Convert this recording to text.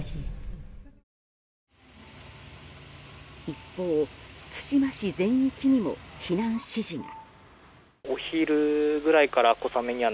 一方、対馬市全域にも避難指示が。